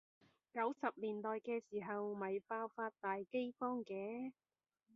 九十年代嘅時候咪爆發大饑荒嘅？